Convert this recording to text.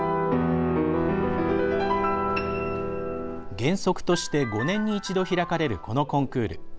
原則として５年に一度開かれるこのコンクール。